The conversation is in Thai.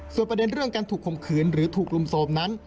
ส่วนประเด็นเรื่องการถูกข่มขืนหรือถูกลุมโทรมนั้น